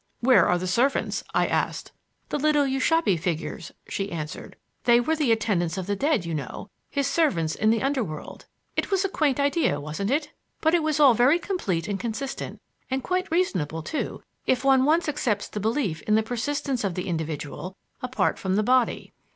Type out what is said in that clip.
"Where are the servants?" I asked. "The little Ushabti figures," she answered; "they were the attendants of the dead, you know, his servants in the under world. It was a quaint idea, wasn't it? But it was all very complete and consistent, and quite reasonable, too, if one once accepts the belief in the persistence of the individual apart from the body."